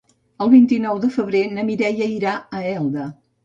El vint-i-nou de febrer na Mireia irà a Elda.